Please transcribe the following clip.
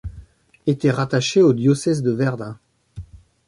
Etait rattaché au diocèse de Verdun.